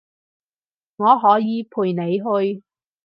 我可以陪你去